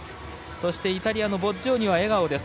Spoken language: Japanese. そして、イタリアのボッジョーニは笑顔です。